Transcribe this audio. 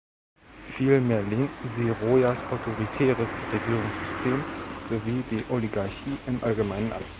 Vielmehr lehnten sie Rojas’ autoritäres Regierungssystem sowie die Oligarchie im Allgemeinen ab.